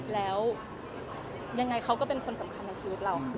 แล้วยังไงเขาก็เป็นคนสำคัญในชีวิตเราค่ะ